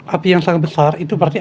api yang sangat besar itu berarti